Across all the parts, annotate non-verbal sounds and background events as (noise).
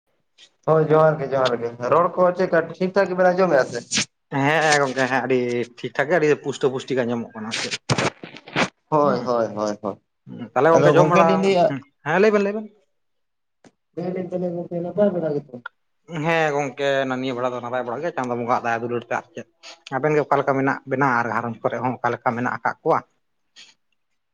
(unintelligible) ᱦᱳᱭ, ᱡᱚᱦᱟᱨ ᱜᱮ ᱡᱚᱦᱟᱨ ᱜᱮ᱾ ᱨᱚᱲ ᱠᱚ ᱪᱮᱫ ᱠᱟ ᱴᱷᱤᱠ ᱴᱷᱟᱠ ᱜᱮ ᱵᱮᱱ ᱟᱸᱡᱚᱢ ᱮᱸᱜ-ᱟ ᱥᱮ? ᱦᱮᱸᱻᱜᱚᱝᱠᱮ ᱦᱮᱸ ᱟᱹᱰᱤ ᱴᱷᱤᱠ ᱴᱷᱟᱠ ᱜᱮ ᱟᱹᱰᱤ ᱯᱩᱥᱴᱟᱹ ᱯᱩᱥᱴᱤ ᱜᱮ ᱟᱸᱡᱚᱢᱚᱜ ᱠᱟᱱᱟ ᱟᱨ ᱪᱮᱫ ᱾ ᱦᱳᱭ ᱦᱳᱭ ᱦᱳᱭ ᱦᱳᱭ ᱦᱩᱸ᱾ ᱛᱟᱦᱞᱮ ᱟᱫᱚ ᱜᱚᱝᱠᱮ ᱡᱚᱢ ᱵᱟᱲᱟ, ᱞᱤᱧ ᱞᱟᱹᱭᱮᱫᱼᱟ ᱦᱩᱸ᱾ᱦᱮᱸ ᱞᱟᱹᱭ ᱵᱮᱱ ᱞᱟᱹᱭ ᱵᱮᱱ᱾ ᱞᱟᱹᱭ ᱫᱟᱞᱤᱧ ᱛᱟᱦᱞᱮ ᱜᱚᱝᱠᱮ ᱱᱟᱯᱟᱭ ᱵᱟᱲᱟ ᱜᱮ ᱛᱚ? ᱦᱮᱸ ᱜᱚᱝᱠᱮ, ᱱᱟ ᱱᱤᱭᱟᱹ ᱵᱮᱲᱟ ᱫᱚ ᱱᱟᱯᱟᱭ ᱵᱟᱲᱟ ᱜᱮ ᱪᱟᱸᱫᱳ ᱵᱚᱸᱜᱟᱣᱟᱜ ᱫᱟᱭᱟ ᱫᱩᱞᱟᱹᱲ ᱛᱮ ᱟᱨ ᱪᱮᱫ ᱾ ᱟᱵᱮᱱ ᱜᱮ ᱚᱠᱟ ᱞᱮᱠᱟ ᱢᱮᱱᱟᱜ ᱵᱮᱱᱟ? ᱟᱨ ᱜᱷᱟᱨᱚᱸᱡᱽ ᱠᱚᱨᱮ ᱦᱚᱸ ᱚᱠᱟ ᱞᱮᱠᱟ ᱢᱮᱱᱟᱜ ᱟᱠᱟᱫ ᱠᱚᱣᱟ?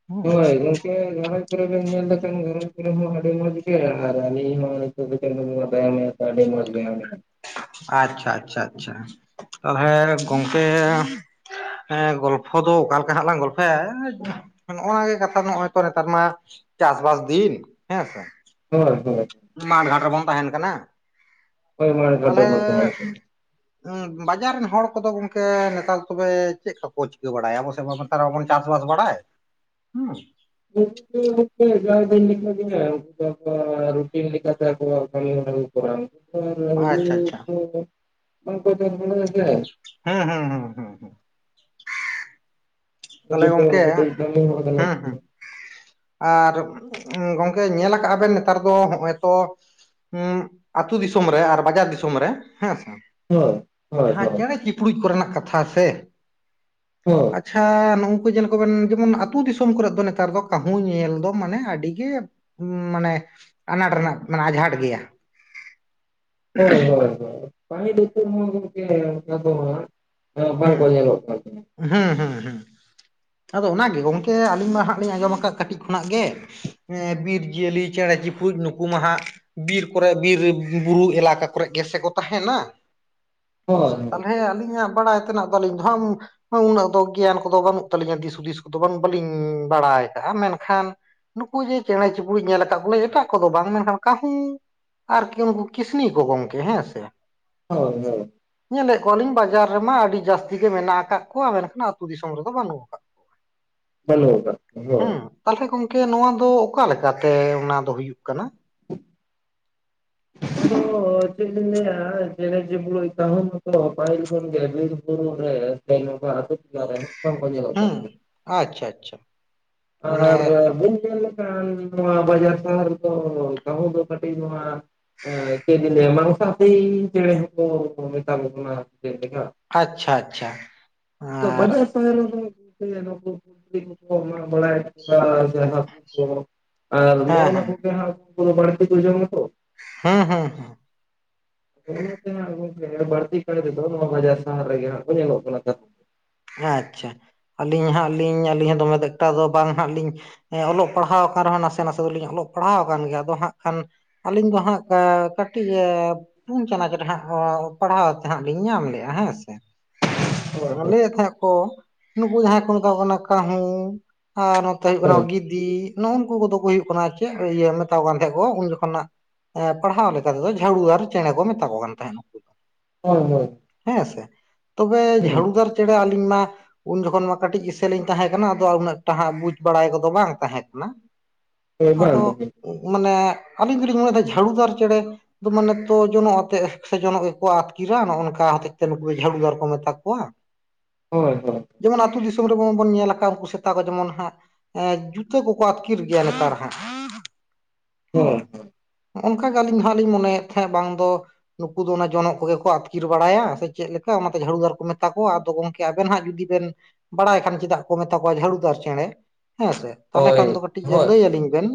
ᱦᱩᱸ ᱦᱳᱭ ᱜᱚᱝᱠᱮ ᱜᱷᱟᱨᱚᱸᱡᱽ ᱜᱷᱟᱨᱚᱸᱢᱽ ᱠᱚᱨᱮ ᱵᱮᱱ ᱧᱮᱞ ᱞᱮᱠᱷᱟᱱ ᱜᱷᱟᱨᱚᱸᱡᱽ ᱠᱚ ᱨᱮ ᱦᱚᱸ ᱟᱹᱰᱤ ᱢᱚᱸᱡᱽ ᱜᱮ, ᱟᱨ ᱟᱹᱞᱤᱧ ᱦᱚᱸ ᱱᱤᱛᱳᱜ ᱫᱳ ᱪᱟᱸᱫᱳ ᱫᱟᱭᱟ ᱢᱟᱭᱟ ᱛᱮ ᱟᱹᱰᱤ ᱢᱚᱡᱽ ᱜᱮ ᱟᱞᱤᱧ ᱦᱚᱸ ᱾ ᱟᱪᱪᱷᱟ ᱟᱪᱪᱷᱟ ᱟᱪᱪᱷᱟ ᱾ ᱛᱟᱦᱞᱮ ᱜᱚᱝᱠᱮ ᱦᱮᱸ ᱜᱚᱞᱯᱷᱚ ᱫᱚ ᱚᱠᱟ ᱞᱮᱠᱟ ᱦᱟᱸᱜ ᱞᱟᱝ ᱜᱚᱞᱯᱷᱚ ᱭᱟ, ᱱᱚᱜ-ᱚ ᱱᱟ ᱜᱮ ᱠᱟᱛᱷᱟ ᱱᱚᱜ-ᱚᱭ ᱛᱚ ᱱᱮᱛᱟᱨ ᱢᱟ ᱪᱟᱥ ᱵᱟᱥ ᱫᱤᱱ ᱦᱮᱸ ᱥᱮ ᱾ ᱦᱳᱭ ᱦᱳᱭ ᱾ ᱢᱟᱴᱷ ᱜᱷᱟᱴ ᱨᱮ ᱵᱚᱱ ᱛᱟᱦᱮᱸᱱ ᱠᱟᱱᱟ ᱾ ᱦᱳᱭ ᱢᱟ ᱚᱱᱠᱟ ᱛᱟᱞᱦᱮᱻ ᱫᱚ ᱵᱟᱝ ᱛᱟᱦᱮᱱ ᱵᱟᱡᱟᱨ ᱨᱮᱱ ᱦᱚᱲ ᱠᱚ ᱫᱚ ᱜᱚᱝᱠᱮ ᱱᱮᱛᱟᱨ ᱫᱚ ᱛᱚᱵᱮ ᱪᱮᱫ ᱠᱚ ᱠᱚ ᱪᱤᱠᱟᱹ ᱵᱟᱲᱟᱭᱟ? ᱟᱵᱚ ᱥᱮᱡ ᱢᱟ ᱵᱚᱱ ᱟᱨᱚ ᱵᱚᱱ ᱪᱟᱥ ᱵᱟᱥ ᱵᱟᱲᱟᱭ ᱦᱩᱸ ᱾ (unintelligible) ᱦᱮᱸ ᱜᱚᱝᱠᱮ, ᱡᱟᱣ ᱫᱤᱱ ᱞᱮᱠᱟ ᱜᱮ ᱨᱩᱴᱤᱱ ᱞᱮᱠᱟᱛᱮ ᱟᱠᱚᱣᱟᱜ ᱠᱟᱹᱢᱤ ᱦᱚᱨᱟ ᱠᱚ ᱠᱚᱨᱟᱣ-ᱟ ᱾ ᱟᱨ ᱦᱩᱲᱩ ᱟᱪᱪᱷᱟ ᱟᱪᱪᱷᱟ ᱠᱚ ᱫᱚ ᱵᱟᱝ ᱠᱚ ᱪᱟᱥ ᱵᱟᱲᱟᱭᱟ ᱥᱮ ᱾ ᱦᱩᱸ ᱦᱩᱸ ᱦᱩᱸ ᱦᱩᱸ ᱦᱩᱸ ᱛᱟᱞᱦᱮ ᱩᱱᱠᱩ ᱫᱚ ᱜᱚᱝᱠᱮ ᱠᱟᱹᱴᱤᱡ ᱠᱟᱹᱢᱤ ᱦᱚᱲ ᱠᱟᱱᱟ ᱦᱩᱸ ᱠᱚ ᱦᱩᱸ ᱟᱨ ᱜᱚᱝᱠᱮ ᱧᱮᱞ ᱟᱠᱟᱜᱼᱟ ᱵᱮᱱ ᱱᱮᱛᱟᱨ ᱫᱚ ᱦᱚᱸᱜᱼᱚᱭ ᱛᱚ ᱦᱩᱸᱜ ᱟᱹᱛᱩ ᱫᱤᱥᱚᱢ ᱨᱮ ᱟᱨ ᱵᱟᱡᱟᱨ ᱫᱤᱥᱚᱢ ᱨᱮ ᱦᱮᱸᱥᱮ ᱦᱳᱭ ᱦᱳᱭ ᱡᱟᱦᱟᱸ ᱦᱳᱭ ᱪᱮᱬᱮ ᱪᱤᱯᱲᱩᱡ ᱠᱚᱨᱮᱱᱟᱜ ᱠᱟᱛᱷᱟ ᱥᱮ ᱦᱳᱭ ᱟᱪᱪᱷᱟ ᱱᱩᱝᱠᱩ ᱧᱮᱞ ᱠᱚᱵᱮᱱ ᱡᱮᱢᱚᱱ ᱟᱹᱛᱩ ᱫᱤᱥᱚᱢ ᱠᱚᱨᱮᱜ ᱫᱚ ᱱᱮᱛᱟᱨ ᱫᱚ ᱠᱟᱹᱦᱩ ᱧᱮᱞ ᱫᱚ ᱢᱟᱱᱮ ᱟᱹᱰᱤ ᱜᱮ (unintelligible) ᱢᱟᱱᱮ ᱟᱱᱟᱴ ᱨᱮᱱᱟᱜ ᱢᱟᱱᱮ ᱟᱸᱡᱷᱟᱴ ᱜᱮᱭᱟ᱾ ᱦᱳᱭ ᱦᱳᱭ ᱦᱳᱭ ᱠᱟᱹᱢᱤ ᱫᱩᱠᱩ ᱦᱚᱸ ᱜᱚᱝᱠᱮ ᱚᱝᱠᱟ ᱫᱚ ᱦᱟᱸᱜ (unintelligible) ᱵᱟᱝ ᱦᱩᱸ ᱠᱚ ᱧᱮᱞᱚᱜ ᱠᱟᱱ ᱛᱟᱦᱮᱸ ᱦᱩᱸ ᱦᱩᱸ ᱦᱩᱸ ᱟᱫᱚ ᱚᱱᱟᱜᱮ ᱜᱚᱝᱠᱮ ᱟᱹᱞᱤᱧ ᱢᱟ ᱦᱟᱸᱜ ᱞᱤᱧ ᱟᱸᱡᱚᱢ ᱟᱠᱟᱫ ᱠᱟᱹᱴᱤᱡ ᱠᱷᱚᱱᱟᱜ ᱜᱮ ᱮᱸ ᱵᱤᱨ ᱡᱤᱭᱟᱹᱞᱤ ᱪᱮᱬᱮ ᱪᱩᱯᱩᱜ ᱱᱩᱠᱩ ᱢᱟ ᱦᱟᱸᱜ ᱵᱤᱨ ᱠᱚᱨᱮ ᱵᱤᱨᱼᱵᱩᱨᱩ ᱮᱞᱟᱠᱟ ᱠᱚᱨᱮ ᱜᱮᱥᱮ ᱠᱚ ᱛᱟᱦᱮᱱᱟ᱾ ᱦᱳᱭ ᱛᱟᱞᱦᱮ ᱟᱹᱞᱤᱧᱟᱜ ᱵᱟᱲᱟᱭ ᱛᱮᱱᱟᱜ ᱟᱹᱞᱤᱧ ᱫᱚ ᱦᱟᱸᱜ (unintelligible) ᱦᱚᱸ ᱩᱱᱟᱹᱜ ᱫᱚ ᱜᱮᱭᱟᱱ ᱠᱚᱫᱚ ᱵᱟᱹᱱᱩᱜ ᱛᱟᱹᱞᱤᱧᱟ ᱫᱤᱥ ᱦᱩᱫᱤᱥ ᱠᱚᱫᱚ ᱵᱟᱝ ᱵᱟᱹᱞᱤᱧ ᱵᱟᱲᱟᱭ ᱟᱠᱟᱜᱼᱟ ᱢᱮᱱᱠᱷᱟᱱ ᱱᱩᱠᱩ ᱡᱮ ᱪᱮᱬᱮ ᱪᱩᱯᱲᱩᱡ ᱧᱮᱞ ᱟᱠᱟᱜ ᱠᱚ ᱟᱹᱞᱤᱧ ᱮᱴᱟᱜ ᱠᱚᱫᱚ ᱵᱟᱝ ᱢᱮᱱᱠᱷᱟᱱ ᱠᱟᱹᱦᱩ ᱟᱨᱠᱤ ᱩᱱᱠᱩ ᱠᱤᱥᱱᱤ ᱠᱚ ᱜᱚᱝᱠᱮ ᱦᱮᱸ ᱥᱮ ᱦᱳᱭ ᱦᱳᱭ ᱧᱮᱞᱮᱜ ᱠᱚᱣᱟ ᱞᱤᱧ ᱵᱟᱡᱟᱨ ᱨᱮᱢᱟ ᱟᱹᱰᱤ ᱡᱟᱹᱥᱛᱤ ᱜᱮ ᱢᱮᱱᱟᱜ ᱟᱠᱟᱜ ᱠᱚᱣᱟ ᱢᱮᱱᱠᱷᱟᱱ ᱟᱹᱛᱩ ᱫᱤᱥᱚᱢ ᱨᱮᱫᱚ ᱵᱟᱹᱱᱩᱜ ᱟᱠᱟᱜ ᱵᱟᱹᱱᱩᱜ ᱟᱠᱟᱜ ᱦᱳᱭ ᱛᱟᱞᱦᱮ ᱜᱚᱝᱠᱮ ᱱᱚᱣᱟ ᱫᱚ ᱚᱠᱟ ᱞᱮᱠᱟᱛᱮ ᱚᱱᱟ ᱫᱚ ᱦᱩᱭᱩᱜ ᱠᱟᱱᱟ? (unintelligible) ᱟᱫᱚ ᱪᱮᱫ ᱞᱤᱧ ᱞᱟᱹᱭᱟ ᱪᱮᱬᱮ ᱪᱩᱯᱲᱩᱡ ᱠᱟᱸᱦᱩ ᱠᱚᱠᱚ ᱯᱟᱹᱦᱤᱞ ᱠᱷᱚᱱ ᱜᱮ ᱵᱤᱨ ᱵᱩᱨᱩ ᱨᱮ ᱥᱮ ᱱᱚᱝᱠᱟᱱ ᱟ. ᱛᱩ ᱴᱚᱞᱟ ᱨᱮᱦᱚᱸ ᱠᱚᱢ ᱠᱚ ᱧᱮᱞᱚᱜ ᱦᱮᱸ ᱛᱟᱦᱮᱱᱟ᱾ ᱟᱪᱪᱷᱟ ᱟᱪᱪᱷᱟ ᱢᱟᱱᱮ ᱟᱨ (unintelligible) ᱠᱟᱱ ᱱᱚᱣᱟ ᱵᱟᱡᱟᱨ ᱥᱟᱦᱟᱨ ᱨᱮᱫᱚ ᱠᱟᱹᱦᱩ ᱠᱟᱹᱴᱤᱡ ᱱᱚᱣᱟ ᱮᱸ ᱪᱮᱫ ᱞᱤᱧ ᱞᱟᱹᱭᱟ ᱢᱟᱱᱚᱥᱟᱫᱤ ᱪᱮᱬᱮ ᱠᱚᱠᱚ ᱢᱮᱛᱟ ᱠᱚ ᱠᱟᱱᱟ ᱟᱨ ᱪᱮᱫ ᱞᱮᱠᱟ ᱟᱪᱪᱷᱟ ᱟᱪᱷᱟ ᱟᱪᱷᱟ ᱟᱨ (unintelligible) ᱠᱚᱠᱚ ᱢᱟᱜ ᱵᱟᱲᱟᱭᱮᱫᱟ (unintelligible) ᱟᱨ ᱡᱟᱦᱟᱸ ᱠᱚᱠᱚ ᱟᱨ ᱦᱮᱸ ᱱᱚᱜᱼᱚᱭ ᱱᱚᱣᱟ ᱦᱮᱸ ᱠᱚᱜᱮ ᱦᱟᱸᱜ ᱩᱝᱠᱩ ᱠᱚᱫᱚ ᱵᱟᱹᱲᱛᱤ ᱠᱚ ᱡᱚᱢᱟ ᱛᱚ ᱦᱮᱸ ᱦᱮᱸ ᱦᱮᱸ ᱱᱚᱜᱼᱚᱭ ᱱᱚᱛᱮᱱᱟᱜ ᱜᱚᱝᱠᱮ ᱵᱟᱹᱲᱛᱤᱠᱟᱭ ᱛᱮᱫᱚ ᱱᱚᱣᱟ ᱵᱟᱡᱟᱨ ᱥᱟᱦᱟᱨ ᱨᱮᱜᱮ ᱦᱟᱸᱜ ᱠᱚ ᱧᱮᱞᱚᱜ ᱠᱟᱱᱟ ᱠᱟ ᱟᱪᱪᱷᱟ ᱟᱹᱞᱤᱧ ᱦᱟᱸᱜ ᱞᱤᱧ ᱟᱹᱞᱤᱧ ᱦᱚᱸ ᱫᱚᱢᱮ ᱮᱠᱴᱟ ᱫᱚ ᱵᱟᱝ ᱦᱟᱸᱜ ᱞᱤᱧ ᱦᱮᱸ ᱚᱞᱚᱜ ᱯᱟᱲᱦᱟᱣ ᱟᱠᱟᱱ ᱨᱮᱦᱚᱸ ᱱᱟᱥᱮ ᱱᱟᱥᱮ ᱫᱚᱞᱤᱧ ᱚᱞᱚᱜ ᱯᱟᱲᱦᱟᱣ ᱟᱠᱟᱱ ᱜᱮᱭᱟ ᱟᱫᱚ ᱦᱟᱸᱜ ᱠᱷᱟᱱ ᱟᱹᱞᱤᱧ ᱫᱚ ᱦᱟᱸᱜ ᱮ ᱠᱟᱹᱴᱤᱡ ᱮᱯ ᱯᱩᱱ ᱪᱟᱱᱟᱪ ᱨᱮ ᱦᱟᱸᱜᱼᱚ ᱯᱟᱲᱦᱟᱣ ᱛᱮᱦᱟᱸᱜ ᱞᱤᱧ ᱧᱟᱢ ᱞᱮᱜᱼᱟ ᱦᱮᱸᱥᱮ ᱦᱳᱭ ᱟᱞᱮ ᱦᱮᱠᱚ ᱱᱩᱠᱩ ᱡᱟᱦᱟᱸᱭ ᱠᱚ ᱢᱮᱛᱟ ᱠᱚ ᱠᱟᱱᱟ ᱠᱟᱹᱦᱩ ᱟᱨ ᱱᱚᱛᱮ ᱦᱩᱭᱩᱜ ᱠᱟᱱᱟ ᱜᱤᱫ ᱫᱤ ᱱᱩᱜᱼᱩᱝᱠᱩ ᱠᱚᱫᱚ ᱠᱚ ᱦᱩᱭᱩᱜ ᱠᱟᱱᱟ ᱪᱮᱫ ᱤᱭᱟᱹ ᱢᱮᱛᱟᱣ ᱟᱠᱚᱠᱟᱱ ᱛᱟᱦᱮᱸ ᱠᱚ ᱩᱱ ᱡᱚᱠᱷᱚᱱ ᱦᱟᱸᱜ ᱮᱸ ᱯᱟᱲᱦᱟᱣ ᱞᱮᱠᱟ ᱛᱮᱫᱚ ᱡᱷᱟᱣᱩᱣᱟᱨ ᱪᱮᱬᱮ ᱠᱚ ᱢᱮᱛᱟ ᱠᱚ ᱠᱟᱱ ᱛᱟᱦᱮᱸᱫ ᱦᱳᱭ ᱦᱳᱭ ᱦᱮᱸᱥᱮ ᱛᱚᱵᱮ ᱡᱷᱟᱲᱩᱫᱟᱨ ᱪᱮᱬᱮ ᱟᱹᱞᱤᱧ ᱢᱟ ᱩᱱ ᱡᱚᱠᱷᱚᱱ ᱢᱟ ᱠᱟᱹᱴᱤᱡ ᱤᱥᱮᱞ ᱤᱧ ᱛᱟᱦᱮᱸ ᱠᱟᱱᱟ ᱟᱫᱚ ᱩᱱᱟᱹᱜ ᱴᱟᱦᱟᱸᱜ ᱵᱩᱡᱽ ᱵᱟᱲᱟᱭ ᱠᱚᱫᱚ ᱵᱟᱝ ᱛᱟᱦᱮᱸ ᱠᱟᱱᱟ᱾ ᱦᱳᱭ ᱦᱳᱭ ᱦᱳᱭ ᱦᱳᱭ ᱦᱩᱸ ᱦᱳᱭ ᱵᱟᱝ ᱟᱫᱚ ᱜᱚᱝᱠᱮ ᱢᱟᱱᱮ ᱟᱹᱞᱤᱧ ᱫᱩᱞᱤᱧ ᱢᱚᱱᱮᱭᱮᱫᱟ ᱡᱷᱟᱲᱩᱫᱟᱨ ᱪᱮᱬᱮ ᱠᱩ ᱢᱟᱱᱮ ᱛᱚ ᱡᱚᱱᱚᱜ ᱟᱛᱮᱜ ᱥᱮ ᱡᱚᱱᱚᱜ ᱜᱮᱠᱚ ᱟᱛᱠᱤᱨᱟ ᱱᱚᱜᱼᱚᱭ ᱱᱚᱝᱠᱟ ᱦᱚᱛᱮ ᱛᱮ ᱱᱩᱠᱩ ᱫᱚ ᱡᱷᱲᱩᱫᱟᱨ ᱠᱚ ᱢᱮᱛᱟ ᱠᱚᱣᱟ᱾ ᱦᱳᱭ-ᱦᱳᱭ᱾ ᱡᱮᱢᱚᱱ ᱟᱹᱛᱩ ᱫᱤᱥᱚᱢ ᱨᱮᱵᱚᱸ ᱵᱚᱱ ᱧᱮᱞᱟᱠᱟᱜ ᱩᱝᱠᱩ ᱥᱮᱛᱟ ᱠᱚ ᱡᱮᱢᱚᱱ ᱦᱟᱸᱜ ᱮᱸ ᱡᱩᱛᱟᱹ ᱠᱚ-ᱠᱚ ᱟᱛᱠᱤᱨ ᱜᱮᱭᱟ ᱞᱮᱛᱟᱲ ᱦᱟᱸᱜ᱾ ᱚᱭ᱾ ᱦᱮᱸ ᱚᱱᱠᱟ ᱜᱮ ᱟᱹᱞᱤᱧ ᱣᱚᱦᱟᱸᱜ ᱞᱤᱧ ᱢᱚᱱᱮᱭᱮᱜ ᱛᱷᱮᱸᱜ ᱵᱟᱝ ᱫᱚ ᱱᱩᱠᱩ ᱫᱚ ᱚᱱᱟ ᱡᱚᱱᱚᱜ ᱠᱚᱜᱮ ᱠᱚ ᱟᱛᱠᱤᱨ ᱵᱟᱲᱟᱭᱟ ᱥᱮ ᱪᱮᱜ ᱞᱮᱠᱟ? ᱚᱱᱟ ᱛᱮ ᱡᱷᱟᱲᱩᱫᱟᱨ ᱠᱚ ᱢᱮᱛᱟᱠ ᱚ ᱟᱫᱚ ᱜᱚᱝᱠᱮ, ᱟᱵᱮᱱ ᱦᱟᱸᱜ ᱡᱩᱫᱤ ᱵᱮᱱ ᱵᱟᱲᱟᱭ ᱠᱷᱟᱱ ᱪᱮᱫᱟᱜ ᱠᱚ ᱢᱮᱛᱟ ᱠᱚᱣᱟ ᱡᱷᱟᱲᱩᱫᱟᱨ ᱪᱮᱬᱮ ᱦᱮᱸ ᱥᱮ? ᱦᱳᱭ ᱛᱟᱞᱮ ᱦᱳᱭ ᱠᱷᱟᱱ ᱫᱚ ᱠᱟᱹᱴᱤᱡ ᱦᱳᱭ ᱞᱟᱹᱭ ᱟᱹᱞᱤᱧ ᱵᱮᱱ᱾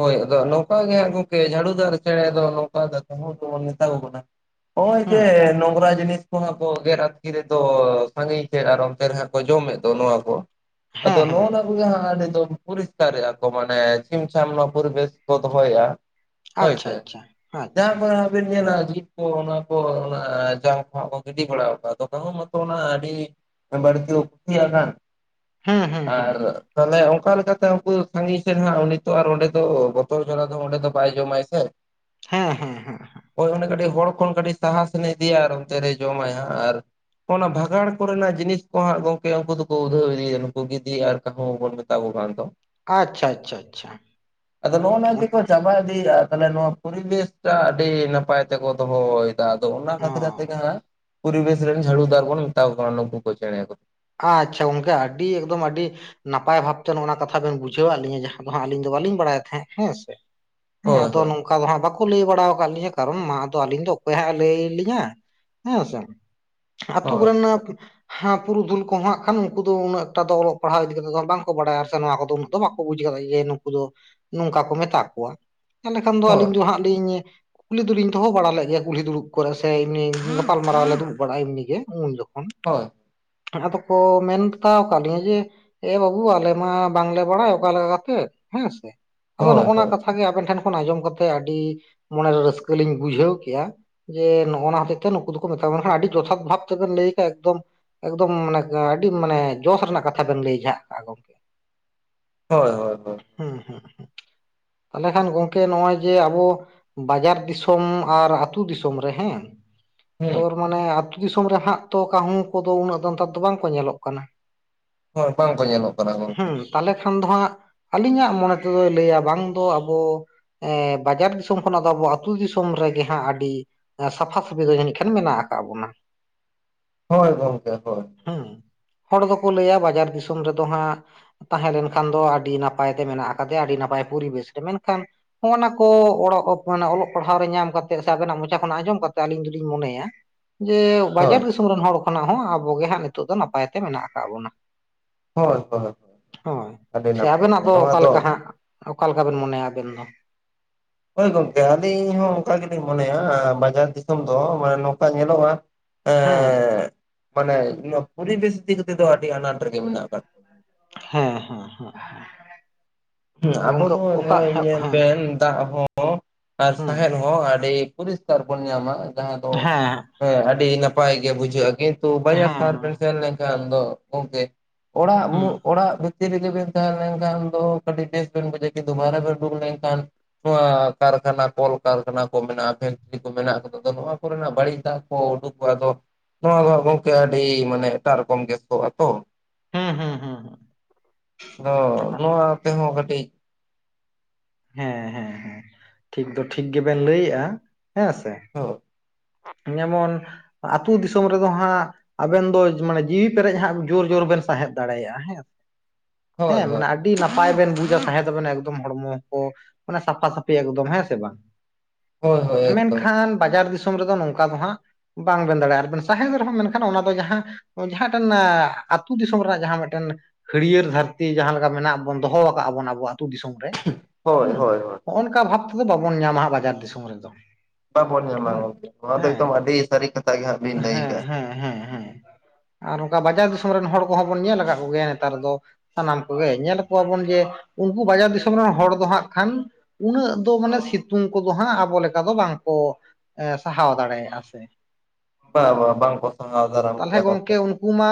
ᱦᱳᱭ, ᱟᱫᱚ ᱱᱚᱝᱠᱟ ᱜᱮ ᱜᱚᱝᱠᱮ ᱡᱷᱟᱲᱩ ᱫᱟᱨ ᱪᱮᱬᱮ ᱫᱚ (inaudible) ᱢᱮᱛᱟ ᱠᱚ ᱠᱟᱱᱟ᱾ ᱚᱸᱭ ᱡᱮ ᱦᱮᱸ ᱱᱚᱝᱨᱟ ᱡᱤᱱ ᱠᱩ ᱦᱟᱸᱜ ᱠᱚ ᱜᱮᱨ ᱟᱛᱠᱤ ᱨᱮᱫᱚ ᱥᱟᱸᱜᱤᱧ ᱥᱮᱜ ᱟᱨ ᱚᱱᱛᱮ ᱨᱮᱦᱟᱸᱜ ᱠᱚ ᱡᱚᱢᱮᱜ ᱫᱚ ᱱᱚᱣᱟ ᱠᱚ᱾ ᱟᱫᱚ ᱦᱮᱸ ᱦᱮᱸ ᱱᱚᱜᱼᱚ ᱱᱟ ᱠᱚᱜᱮ ᱦᱟᱸᱜ ᱟᱹᱰᱤ ᱫᱚ ᱯᱚᱨᱤᱥᱠᱟᱨᱮᱜᱼᱟ ᱠᱚ ᱢᱟᱱᱮ ᱪᱤᱢ ᱪᱟᱢᱱᱟ 'ᱯᱚᱨᱤᱵᱮᱥ' ᱠᱚ ᱫᱚᱦᱚᱭᱮᱜᱼᱟ ᱦᱳᱭ ᱟᱪᱪᱷᱟ ᱥᱮ ᱟᱪᱪᱷᱟ ᱟᱪᱪᱷᱟ ᱡᱟᱦᱟᱸ ᱠᱚᱨᱮ ᱦᱚᱸ ᱵᱮᱱ ᱧᱮᱞᱟ ᱡᱤᱞ ᱠᱚ, ᱚᱱᱟ ᱠᱚ, ᱚᱱᱟ ᱡᱟᱝ ᱠᱚ ᱦᱟᱸᱜ ᱠᱚ ᱜᱤᱰᱤ ᱵᱟᱲᱟᱣ ᱠᱟᱜ ᱫᱚ ᱠᱟᱦᱩᱸ ᱢᱟᱛᱚ ᱚᱱᱟ ᱟᱰᱤ ᱵᱟᱹᱲᱛᱤᱣ ᱛᱤᱭᱟᱜ ᱠᱟᱱ ᱦᱮᱸ ᱦᱮᱸ ᱦᱮᱸ ᱟᱨ ᱛᱟᱞᱮ ᱚᱝᱠᱟ ᱞᱮᱠᱟ ᱛᱮ ᱩᱝᱠᱩ ᱫᱚ ᱥᱟᱸᱜᱤᱧ ᱥᱮᱱ ᱦᱟᱸᱜ ᱩᱱᱤ ᱛᱚ ᱟᱨ ᱚᱸᱰᱮ ᱫᱚ ᱵᱚᱛᱚᱨ ᱡᱟᱞᱟ ᱫᱚ ᱚᱸᱰᱮ ᱫᱚ ᱵᱟᱭ ᱡᱚᱢᱟᱭ ᱥᱮ᱾ ᱦᱮᱸ, ᱦᱮᱸ, ᱦᱮᱸ, ᱦᱮᱸ᱾ ᱳᱭ ᱚᱱᱮ ᱠᱟᱴᱤᱡ ᱦᱚᱲ ᱠᱚᱱ ᱠᱟᱴᱤᱡ ᱥᱟᱦᱟ ᱥᱮᱱᱮ ᱤᱫᱤᱭᱟ ᱟᱨ ᱚᱱᱛᱮ ᱨᱮᱭ ᱡᱚᱢᱟᱭ ᱦᱟᱸᱜ ᱟᱨ ᱚᱱᱟ ᱵᱷᱟᱜᱟᱲ ᱠᱚ ᱨᱮᱱᱟᱜ ᱡᱤᱱᱤᱥ ᱠᱚ ᱦᱟᱸᱜ ᱜᱚᱝᱠᱮ ᱩᱝᱠᱩ ᱫᱚᱠᱚ ᱩᱫᱷᱟᱹᱣ ᱤᱫᱤᱭᱤᱭᱫᱟ᱾ ᱱᱩᱠᱩ ᱜᱤᱫᱤ ᱟᱨ ᱠᱟᱦᱩᱸ ᱵᱚᱱ ᱢᱮ ᱛᱟ ᱠᱚ ᱠᱷᱟᱱ ᱛᱚ᱾ ᱟᱪᱪᱷᱟ, ᱪᱷᱟ-ᱪᱷᱟ᱾ ᱟᱫᱚ ᱱᱚᱜᱼᱚ ᱱᱟ ᱜᱮᱠᱚ ᱪᱟᱵᱟ ᱤᱫᱤᱭᱫᱟ ᱛᱟᱞᱮ ᱱᱚᱣᱟ 'ᱯᱚᱨᱤᱵᱮᱥ' ᱴᱟᱜ ᱟᱰᱤ ᱱᱟᱯᱟᱭ ᱛᱮᱠᱚ ᱫᱚᱦᱚᱭ ᱛᱟ ᱟᱫᱚ ᱚᱱᱟ ᱚ ᱠᱟᱛᱤᱨ ᱟᱛᱮᱜ ᱜᱮ ᱦᱟᱸᱜ 'ᱯᱚᱨᱤᱵᱮᱥ' ᱨᱮᱱ ᱡᱷᱟᱲᱩᱫᱟᱨ ᱵᱚᱱ ᱢᱮᱛᱟᱣ ᱠᱚ ᱠᱟᱱᱟ ᱱᱩᱠᱩ ᱠᱚ ᱪᱮᱬᱮ ᱠᱚ᱾ ᱟᱪᱪᱷᱟ ᱜᱚᱝᱠᱮ, ᱟᱹᱰᱤ ᱮᱠᱫᱚᱢ ᱟᱹᱰᱤ ᱱᱟᱯᱟᱭ ᱵᱷᱟᱵᱽᱛᱮ ᱱᱚᱜᱼᱚ ᱱᱟ ᱠᱟᱛᱷᱟ ᱵᱮᱱ ᱵᱩᱡᱷᱟᱹᱣᱟᱜ ᱞᱤᱧᱟᱹ ᱡᱟᱦᱟᱸ ᱫᱚ ᱦᱟᱸᱜ ᱟᱞᱤᱧ ᱫᱚ ᱵᱟᱹᱞᱤᱧ ᱵᱟᱲᱟᱭᱮᱜ ᱛᱷᱮᱸᱜ ᱦᱮᱸ ᱥᱮ᱾ ᱦᱮᱸᱻ, ᱦᱳᱭ ᱟᱫᱚ ᱦᱳᱭ ᱱᱚᱝᱠᱟ ᱫᱚ ᱦᱟᱸᱜ ᱵᱟᱠᱚ ᱞᱟᱹᱭ ᱵᱟᱲᱟᱣ ᱠᱟᱜ ᱞᱤᱧᱟᱹ᱾ ᱠᱟᱨᱚᱱ ᱢᱟᱦᱫᱚ ᱟᱹᱞᱤᱧ ᱫᱚ ᱚᱠᱚᱭ ᱦᱟᱸᱜ ᱞᱟᱹᱭ ᱞᱤᱧᱟ? ᱦᱮᱸᱻ ᱥᱮ ᱟᱛᱩ ᱦᱳᱭ ᱠᱚᱨᱮᱱᱟᱯ ᱦᱟᱯ ᱯᱩᱨᱩᱫᱷᱩᱞ ᱠᱚ ᱦᱟᱸᱜ ᱠᱷᱟᱱ, ᱩᱝᱠᱩ ᱫᱚ ᱩᱱᱟᱹᱜ ᱴᱟ ᱫᱚ ᱚᱞᱚᱜ ᱯᱟᱲᱦᱟᱣ ᱤᱫᱤ ᱠᱮᱛᱮ ᱫᱚ ᱵᱟᱝᱠᱚ ᱵᱟᱲᱟᱭᱟᱨ ᱥᱮ ᱱᱚᱣᱟ ᱠᱚᱫᱚ ᱩᱱᱟᱹᱜ ᱫᱚ ᱵᱟᱠᱚ ᱵᱩᱡᱽ ᱠᱟᱫᱟ ᱡᱮ ᱱᱩᱠᱩ ᱫᱚ ᱱᱚᱝᱠᱟ ᱠᱚ ᱢᱮᱛᱟ ᱠᱚᱣᱟ, ᱛᱟᱞᱮ ᱠᱷᱟᱱ ᱫᱚ ᱟᱹᱞᱤᱧ ᱫᱚ ᱦᱟᱸᱜ ᱞᱤᱧ ᱠᱩᱞᱤ ᱫᱩᱞᱤᱧ ᱫᱚᱦᱚ ᱵᱟᱲᱟ ᱞᱮᱜ ᱜᱮᱭᱟ ᱠᱩᱞᱦᱤ ᱫᱩᱲᱩᱵ ᱠᱚᱨᱮ ᱥᱮ ᱮᱢᱱᱤ ᱜᱟᱯᱟᱞᱢᱟᱣ ᱞᱮ ᱫᱩᱲᱩᱵ ᱵᱟᱲᱟᱭ ᱮᱢᱱᱤ ᱜᱮ ᱩᱱ ᱡᱚᱠᱷᱚᱱ᱾ ᱦᱳᱭ᱾ ᱟᱬᱦᱟ ᱛᱚᱠᱠᱚ ᱢᱮᱱᱛᱟᱣ ᱠᱟᱷ ᱞᱤᱧᱟᱹ ᱡᱮ ᱮ ᱵᱟᱵᱩ ᱟᱞᱮ ᱢᱟ ᱵᱟᱝᱞᱮ ᱵᱟᱲᱟᱭ ᱚᱠᱟ ᱞᱮᱠᱟ ᱠᱟᱛᱮᱜ ᱦᱮᱸᱻᱥᱮ ᱟᱫᱚ ᱦᱳᱭ ᱱᱚᱜᱼᱚ ᱱᱟ ᱦᱳᱭ ᱠᱟᱛᱷᱟ ᱛᱟ ᱜᱮ ᱟᱵᱮᱱ ᱴᱷᱮᱱ ᱠᱷᱚᱱ ᱟᱸᱡᱚᱢ ᱠᱟᱛᱮ ᱟᱰᱤ ᱢᱚᱱᱮᱨᱮ ᱨᱟᱹᱥᱠᱟᱹ ᱞᱤᱧ ᱵᱩᱡᱷᱟᱹᱣ ᱠᱮᱼᱟ᱾ ᱡᱮ ᱱᱚᱜᱼᱚ ᱱᱟ ᱦᱚᱛᱮᱡ ᱛᱮ ᱱᱩᱠᱩ ᱫᱚᱠᱚ ᱢᱮᱛᱟ ᱠᱚ ᱦᱟᱸᱜ, ᱟᱹᱰᱤ ᱡᱚᱛᱷᱟᱛ ᱵᱷᱟᱵᱽ ᱛᱮᱵᱮᱱ ᱞᱟᱹᱭ ᱠᱟᱜ ᱮᱠᱫᱚᱢ ᱮᱠᱫᱚᱢ ᱢᱟᱱᱮ ᱟᱰᱤ ᱢᱟᱱᱮ ᱡᱚᱥ ᱨᱮᱱᱟᱜ ᱠᱟᱛᱷᱟ ᱵᱮᱱ ᱞᱟᱹᱭ ᱡᱷᱟᱜ ᱠᱟᱜᱼᱟ ᱜᱚᱝᱠᱮ᱾ ᱦᱳᱭ, ᱦᱳᱭ, ᱦᱳᱭ᱾ ᱦᱩᱸ-ᱦᱩᱸ, ᱦᱩᱸᱜ, ᱛᱟᱞᱮ ᱠᱷᱟᱱ ᱜᱚᱝᱠᱮ ᱱᱚᱜᱼᱚᱸᱭ ᱡᱮ ᱟᱵᱚ ᱵᱟᱡᱟᱨ ᱫᱤᱥᱚᱢ ᱟᱨ ᱟᱛᱩ ᱫᱤᱥᱚᱢ ᱨᱮ ᱦᱮᱸᱻ ᱦᱩᱸ ᱛᱚᱨ ᱢᱟᱱᱮ ᱟᱛᱩ ᱫᱤᱥᱚᱢ ᱨᱮ ᱦᱟᱸᱜ ᱛᱚ ᱠᱟᱦᱩᱸ ᱠᱚᱫᱚ, ᱩᱱᱟᱹᱜ ᱫᱚ ᱛᱟᱸᱨ ᱫᱚ ᱵᱟᱝᱠᱚ ᱧᱮᱞᱚᱜ ᱠᱟᱱᱟ! ᱦᱳᱭ, ᱵᱟᱝᱠᱚ ᱧᱮᱞᱚᱜ ᱠᱟᱱᱟ, ᱜᱚᱝᱠᱮ᱾ ᱛᱟᱞᱮ ᱠᱷᱟᱱ ᱫᱚ ᱦᱟᱸᱜ ᱟᱹᱞᱤᱧᱟᱜ ᱢᱚᱱᱮ ᱛᱮ ᱫᱚᱭ ᱞᱟᱹᱭᱟ ᱵᱟᱝ ᱫᱚ ᱟᱵᱚ ᱮᱸ ᱵᱟᱡᱟᱨ ᱫᱤᱥᱚᱢ ᱠᱷᱚᱱᱟᱜ ᱫᱚ ᱟᱵᱚ ᱟᱛᱩ ᱫᱤᱥᱚᱢ ᱨᱮᱜᱮ ᱦᱟᱸᱜ ᱟᱰᱤ ᱮᱸ ᱥᱟᱯᱷᱟ-ᱥᱟᱯᱷᱤ ᱫᱚ ᱡᱟᱹᱱᱤᱡ ᱠᱷᱟᱱ ᱢᱮᱱᱟᱜ ᱟᱠᱟᱜ ᱵᱚᱱᱟ! ᱦᱳᱭ ᱜᱚᱝᱠᱮ ᱦᱳᱭ᱾ ᱦᱩᱸ ᱦᱚᱲ ᱫᱚᱠᱚ ᱞᱟᱹᱭᱟ ᱵᱟᱡᱟᱨ ᱫᱤᱥᱚᱢ ᱨᱮᱫᱚ ᱦᱟᱸᱜ ᱛᱟᱦᱮᱸ ᱞᱮᱱᱠᱷᱟᱱ ᱫᱚ ᱟᱹᱰᱤ ᱱᱟᱯᱟᱭ ᱛᱮ ᱢᱮᱱᱟᱜ ᱟᱠᱟᱫᱮᱭᱟ ᱟᱹᱰᱤ ᱱᱟᱯᱟᱭ ᱯᱚᱨᱤᱵᱮᱥ ᱨᱮ ᱢᱮᱱᱠᱷᱟᱱ ᱦᱚᱸᱜ-ᱱᱟ ᱠᱚ ᱚᱲᱚᱜ ᱚᱯ ᱨᱮᱱᱟᱜ ᱚᱞᱚᱜ ᱯᱟᱲᱦᱟᱣ ᱨᱮ ᱧᱟᱢ ᱠᱟᱛᱮᱫ ᱥᱮ ᱟᱵᱮᱱᱟᱜ ᱢᱚᱪᱟ ᱠᱷᱚᱱ ᱟᱸᱡᱚᱢ ᱠᱟᱛᱮ ᱟᱹᱞᱤᱧ ᱫᱚᱞᱤᱧ ᱢᱚᱱᱮᱭᱟ ᱡᱮ ᱵᱟᱡᱟᱨ ᱦᱳᱭ ᱫᱤᱥᱚᱢ ᱨᱮᱱ ᱦᱚᱲ ᱠᱷᱚᱱᱟᱜ ᱦᱚᱸ ᱟᱵᱚᱜᱮ ᱦᱟᱸᱜ ᱱᱤᱛᱚᱜ ᱫᱚ ᱱᱟᱯᱟᱭ ᱛᱮ ᱢᱮᱱᱟᱜ ᱠᱟᱜ ᱵᱚᱱᱟ᱾ ᱦᱳᱭ ᱦᱳᱭ ᱦᱳᱭ ᱟᱹᱰᱤ ᱥᱮ ᱱᱟᱯᱟᱭ ᱟᱵᱮᱱᱟᱜ ᱜᱮ ᱫᱚ ᱱᱚᱣᱟ ᱚᱠᱟ ᱞᱮᱠᱟ ᱦᱟᱸᱜ ᱚᱠᱟ ᱞᱮᱠᱟ ᱵᱮᱱ ᱢᱚᱱᱮᱭᱟ ᱟᱵᱮᱱ ᱫᱚ? ᱦᱳᱭ ᱜᱚᱝᱠᱮ ᱟᱹᱞᱤᱧ ᱦᱚᱸ ᱚᱱᱠᱟ ᱜᱮᱞᱤᱧ ᱢᱚᱱᱮᱭᱟ ᱵᱟᱡᱟᱨ ᱫᱤᱥᱚᱢ ᱫᱚ ᱢᱟᱱᱮ ᱱᱚᱝᱠᱟ ᱧᱮᱞᱚᱜ-ᱟ, ᱦᱮᱸ ᱮᱸᱜ ᱢᱟᱱᱮ ᱱᱚᱣᱟ ᱯᱚᱨᱤᱵᱮᱥ ᱤᱫᱤ ᱠᱟᱛᱮᱫ ᱫᱚ ᱟᱹᱰᱤ ᱟᱱᱟᱴ ᱨᱮᱜᱮ ᱢᱮᱱᱟᱜ ᱠᱟᱫ ᱦᱮᱸ ᱦᱮᱸ ᱦᱮᱸ ᱦᱮᱸ᱾ ᱦᱩᱸ ᱟᱵᱚ ᱜᱚᱝᱠᱮ ᱫᱚ ᱚᱠᱟ ᱱᱚᱜᱼᱚᱭ ᱦᱮᱸ ᱧᱮᱞᱵᱱ ᱫᱟᱜ ᱦᱚᱸ ᱦᱚᱸ ᱟᱨ ᱦᱩᱸ ᱥᱟᱦᱮᱫ ᱦᱚᱸ ᱟᱹᱰᱤ ᱯᱚᱨᱤᱥᱠᱟᱨ ᱵᱚᱱ ᱧᱟᱢᱟ ᱡᱟᱦᱟᱸ ᱫᱚ ᱦᱮᱸ ᱦᱮᱸ ᱟᱹᱰᱤ ᱱᱟᱯᱟᱭ ᱜᱮ ᱵᱩᱡᱷᱟᱹᱜᱼᱟ ᱠᱤᱱᱛᱩ ᱦᱮᱸ ᱵᱟᱡᱟᱨ ᱦᱮᱸ ᱥᱟᱦᱟᱨ ᱵᱮᱱ ᱥᱮᱱ ᱞᱮᱱᱠᱷᱟᱱ ᱫᱚ ᱜᱚᱝᱠᱮ ᱚᱲᱟᱜ ᱦᱩᱸ ᱚᱲᱟᱜ ᱵᱷᱤᱛᱤᱨ ᱨᱮᱜᱮᱵᱤᱱ ᱛᱟᱦᱮᱸ ᱞᱮᱱᱠᱷᱟᱱ ᱫᱚ ᱟᱹᱰᱤ ᱵᱮᱥ ᱵᱤᱱ ᱵᱩᱡᱟ (unintelligible) ᱱᱚᱣᱟ ᱠᱟᱨᱠᱷᱟᱱᱟ ᱠᱚᱞᱠᱟᱨᱠᱷᱟᱱᱟ ᱠᱚ ᱢᱮᱱᱟᱜᱼᱟ ᱯᱷᱮᱴᱨᱤ ᱠᱚ ᱢᱮᱱᱟᱜ ᱠᱟᱫᱟ ᱟ ᱱᱚᱣᱟ ᱠᱚᱨᱮᱱᱟᱜ ᱵᱟᱹᱲᱤᱡ ᱫᱟᱜ ᱠᱚ ᱩᱰᱩᱠᱚᱜᱼᱟ ᱟᱫᱚ ᱱᱚᱣᱟ ᱫᱚ ᱜᱚᱝᱠᱮ ᱟᱹᱰᱤ ᱢᱟᱱᱮ ᱮᱴᱟᱜ ᱨᱚᱠᱚᱢ ᱜᱮᱥ ᱠᱚᱚᱜᱼᱟ ᱛᱚ, ᱦᱮᱸ ᱦᱮᱸ ᱦᱮᱸ ᱦᱮᱸ᱾ ᱟᱫᱚ ᱱᱚᱣᱟ ᱛᱮᱦᱚᱸ ᱠᱟᱹᱴᱤᱡ ᱦᱮᱸ ᱦᱮᱸ ᱦᱮᱸ ᱴᱷᱤᱠ ᱫᱚ ᱴᱷᱤᱠ ᱜᱮᱵᱮᱱ ᱞᱟᱹᱭᱮᱜᱼᱟ ᱦᱮᱸᱥᱮ, (inaudible) ᱡᱮᱢᱚᱱ ᱟᱹᱛᱩᱳ ᱫᱤᱥᱚᱢ ᱨᱮᱫᱚ ᱦᱟᱸᱜ ᱟᱵᱮᱱ ᱫᱚ ᱢᱟᱱᱮ ᱡᱤᱣᱤ ᱯᱮᱨᱮᱡ ᱦᱟᱸᱜ ᱡᱳᱨ ᱡᱳᱨ ᱵᱮᱱ ᱥᱟᱦᱮᱸᱮᱫ ᱫᱟᱲᱮᱭᱟᱜᱼᱟ ᱦᱮᱸᱥᱮ, (inaudible) ᱦᱮᱸ ᱦᱳᱭ ᱢᱟᱱᱮ ᱟᱹ ᱰᱤ ᱱᱟᱯᱟᱭ ᱵᱮᱱ ᱵᱩᱡᱟ ᱥᱟᱦᱮᱸᱛᱟᱵᱮᱱ ᱮᱠᱫᱚᱢ ᱦᱚᱲᱢᱚ ᱠᱚ ᱢᱟᱱᱮ ᱥᱟᱯᱷᱟ ᱥᱟᱟᱹᱯᱷᱤ ᱮᱠᱫᱚᱢ ᱦᱮᱸ ᱥᱮ ᱵᱟᱝ? ᱦᱳᱭ ᱦᱳᱭ ᱮᱠᱫᱚᱢ ᱢᱮᱱᱠᱷᱟᱱ ᱵᱟᱡᱟᱨ ᱫᱤᱥᱚᱢ ᱨᱮᱫᱚ ᱱᱚᱝᱠᱟ ᱫᱚ ᱦᱟᱸᱜ ᱵᱟᱝᱵᱱ ᱫᱟᱲᱮᱭᱟᱜᱼᱟ ᱟᱨᱵᱮᱱ ᱥᱟᱦᱮᱸᱫ ᱨᱮᱦᱚᱸ ᱢᱮᱱᱠᱷᱟᱱ ᱚᱱᱟ ᱫᱚ ᱡᱟᱦᱟᱸ ᱚ ᱡᱟᱦᱟᱸ ᱴᱷᱮᱱ ᱟᱸᱜ ᱟᱹᱛᱩ ᱫᱤᱥᱚᱢ ᱨᱮᱱᱟᱜ ᱡᱟᱦᱟᱸ ᱢᱤᱫᱴᱮᱱ ᱦᱟᱹᱲᱭᱟᱹᱨ ᱫᱷᱟᱹᱨᱛᱤ ᱡᱟᱦᱟᱸ ᱞᱮᱠᱟ ᱢᱮᱱᱟᱜ ᱵᱚᱱ ᱫᱚᱦᱚ ᱠᱟᱜᱼᱟ ᱵᱚᱱ ᱟᱵᱚ ᱟᱹᱛᱩ ᱫᱤᱥᱚᱢ ᱨᱮ, ᱦᱳᱭ ᱦᱩᱸ ᱦᱳᱭ ᱦᱳᱭ ᱦᱚᱸᱜᱼᱚ ᱱᱚᱝᱠᱟ ᱵᱷᱟᱵ ᱛᱮᱫᱚ ᱵᱟᱵᱚᱱ ᱧᱟᱢᱟ ᱵᱟᱡᱟᱨ ᱫᱤᱥᱚᱢ ᱨᱮᱫᱚ᱾ ᱵᱟᱵᱚᱱ ᱧᱟ ᱦᱩᱸ ᱦᱮᱸ ᱦᱟᱸᱜ ᱵᱤᱱ ᱞᱟᱹᱭ ᱦᱮᱸ ᱠᱟᱜᱼᱟ ᱦᱮᱸ ᱦᱮᱸ ᱦᱮᱸ᱾ ᱟᱨ ᱚᱱᱠᱟ ᱵᱟᱡᱟᱨ ᱫᱤᱥᱚᱢ ᱨᱮᱱ ᱦᱚᱲ ᱠᱚᱦᱚᱸ ᱵᱚᱱ ᱧᱮᱞ ᱠᱟᱜ ᱠᱚᱜᱮᱭᱟ ᱱᱮᱛᱟᱨ ᱫᱚ ᱥᱟᱱᱟᱢ ᱠᱚᱜᱮ ᱧᱮᱞ ᱠᱚᱣᱟᱵᱚᱱ ᱡᱮ ᱩᱱᱠᱩ ᱵᱟᱡᱟᱨ ᱫᱤᱥᱚᱢ ᱨᱮᱱ ᱦᱚᱲ ᱫᱚ ᱦᱟᱸᱜ ᱠᱷᱟᱱ ᱩᱱᱟᱹᱜ ᱫᱚ ᱢᱟᱱᱮ ᱥᱤᱛᱩᱝ ᱠᱚᱫᱚ ᱦᱟᱸᱜ ᱟᱵᱚ ᱞᱮᱠᱟ ᱫᱚ ᱵᱟᱝᱠᱚ ᱮ ᱥᱟᱦᱟᱣ ᱫᱟᱲᱮᱭᱟᱜᱼᱟ ᱥᱮ᱾ ᱵᱟ ᱵᱟ ᱵᱟᱝ ᱠᱚ ᱥᱟᱦᱟᱣ ᱫᱟᱨᱟᱢ ᱠᱮᱭᱟ ᱜᱚᱢᱠᱮ᱾ ᱠᱩ ᱢᱟ